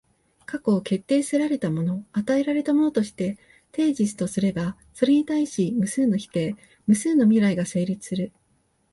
過去を決定せられたもの、与えられたものとしてテージスとすれば、それに対し無数の否定、無数の未来が成立する。